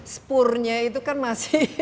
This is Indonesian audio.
spurnya itu kan masih